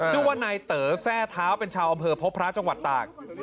ชื่อว่านายเต๋อแทร่เท้าเป็นชาวอำเภอพบพระจังหวัดตาก